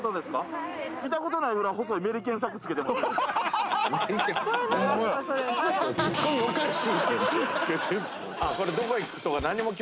はい見たことないぐらい細いメリケンサックつけてます